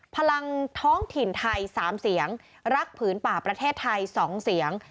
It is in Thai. พลังท้องถิ่นไทย๓เสียงรักผืนป่าประเทศไทย๒เสียง